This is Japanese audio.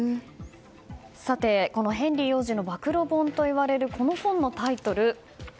ヘンリー王子の暴露本といわれる本のタイトル